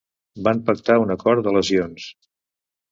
Van pactar un acord de lesions.